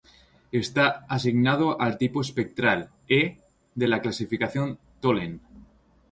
Está asignado al tipo espectral E de la clasificación Tholen.